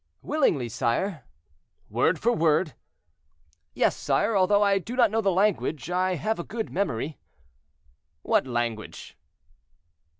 "Willingly, sire." "Word for word." "Yes, sire, although I do not know the language, I have a good memory." "What language?"